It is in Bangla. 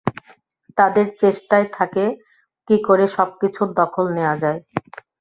তাদের চেষ্টাই থাকে কী করে সবকিছুর দখল নেয়া যায়।